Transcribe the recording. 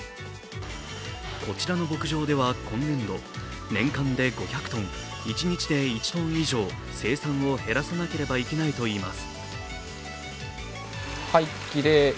こちらの牧場では今年度年間で５００ｔ、一日で１ｔ以上生産を減らさなければいけないといいます。